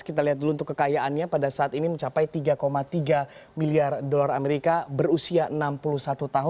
kita lihat dulu untuk kekayaannya pada saat ini mencapai tiga tiga miliar dolar amerika berusia enam puluh satu tahun